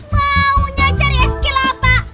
maunya cari eskelapa